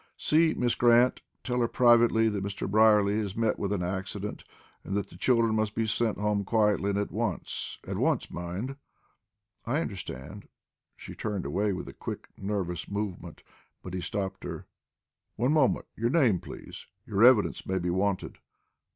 "See Miss Grant. Tell her privately that Mr. Brierly has met with an accident, and that the children must be sent home quietly and at once. At once, mind." "I understand." She turned away with a quick, nervous movement, but he stopped her. "One moment. Your name, please? Your evidence may be wanted."